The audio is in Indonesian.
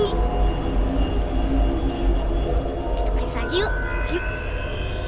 kita balik saja yuk